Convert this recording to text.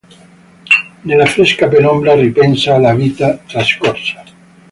Nella fresca penombra ripensa alla vita trascorsa.